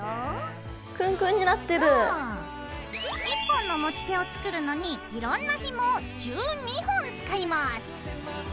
１本の持ち手を作るのにいろんなひもを１２本使います。